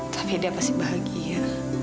tapi dia pasti bahagia